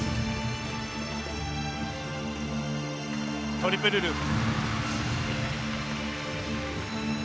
トリプルループ。